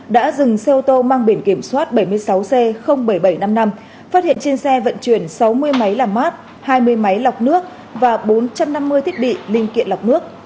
đã dừng xe ô tô mang biển kiểm soát bảy mươi sáu c bảy nghìn bảy trăm năm mươi năm phát hiện trên xe vận chuyển sáu mươi máy làm mát hai mươi máy lọc nước và bốn trăm năm mươi thiết bị linh kiện lọc nước